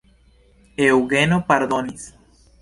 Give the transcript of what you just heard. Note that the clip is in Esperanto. Eŭgeno pardonis.